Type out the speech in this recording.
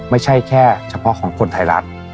ไม่ใช่แค่เฉพาะของคนไทยรัฐ